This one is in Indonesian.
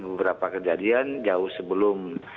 beberapa kejadian jauh sebelum